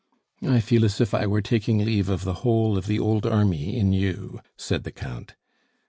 "I feel as if I were taking leave of the whole of the old army in you," said the Count.